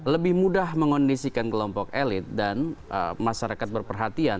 lebih mudah mengondisikan kelompok elit dan masyarakat berperhatian